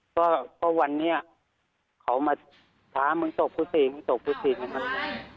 เพราะวันนี้เขามาถามมึงตกฟุษีมึงตกฟุษีนะครับ